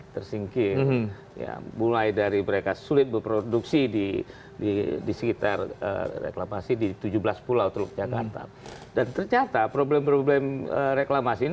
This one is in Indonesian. terima kasih terima kasih